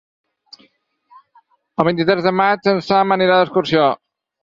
El vint-i-tres de maig en Sam anirà d'excursió.